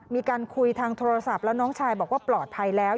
มีการคุยทางโทรศัพท์แล้วน้องชายบอกว่าปลอดภัยแล้ว